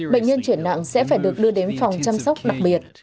bệnh nhân chuyển nặng sẽ phải được đưa đến phòng chăm sóc đặc biệt